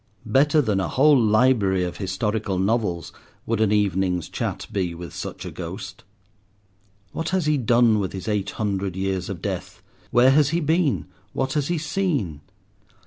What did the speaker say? Better than a whole library of historical novels would an evening's chat be with such a ghost. What has he done with his eight hundred years of death? where has he been? what has he seen?